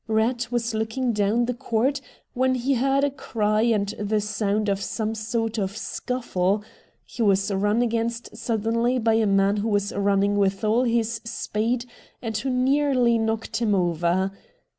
Eatt was looking down the court when he heard a cry and the sound of some sort of scuffle — he was run against suddenly by a man who was running with all his speed and who nearly knocked him over.